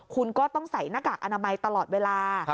คุณก็ต้องใส่หน้ากากอนามัยตลอดเวลา